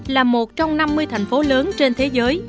là một trong năm mươi thành phố lớn trên thế giới